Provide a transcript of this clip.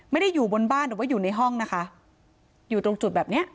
อยู่บนบ้านหรือว่าอยู่ในห้องนะคะอยู่ตรงจุดแบบเนี้ย